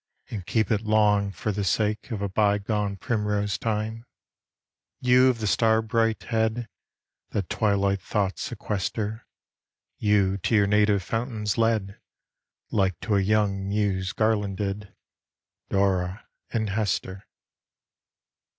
And keep it long for the sake Of a bygone primrose time; You of the star bright head That twilight thoughts sequester, You to your native fountains led Like to a young Muse garlanded: Dora, and Hester.